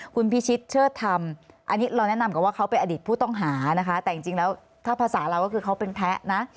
คุณพิชิตเชิดธรรมอันนี้เราแนะนำกับว่าเขาเป็นอดีตผู้ต้องหานะคะแต่จริงแล้วถ้าภาษาเราก็คือเขาเป็นแพ้นะ